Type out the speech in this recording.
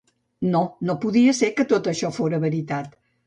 No, no podia ser, que tot això fóra veritat.